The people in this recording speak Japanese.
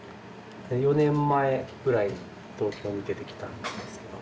４年前ぐらいに東京に出てきたんですけど。